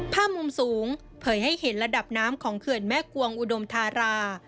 ภาพมุมสูงเผยให้เห็นระดับน้ำของเขื่อนแม่กวงอุดมธารา